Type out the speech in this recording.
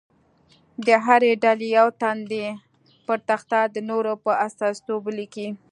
د هرې ډلې یو تن دې پر تخته د نورو په استازیتوب ولیکي.